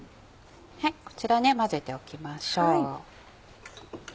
こちら混ぜておきましょう。